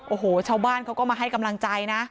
โอ้โหชาวบ้านเขาก็มาให้กำลังใจนะ